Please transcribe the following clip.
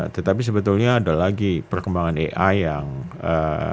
tetapi sebetulnya ada lagi perkembangan ai yang ee